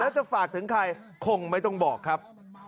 แล้วจะฝากถึงใครคงไม่ต้องบอกครับ